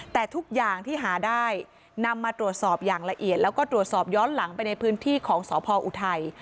แต่ทุกอย่างที่หาได้นำมาตรวจสอบอย่างละเอียดแล้วก็ตรวจสอบย้อนหลังไปในพื้นที่ของสพออุทัย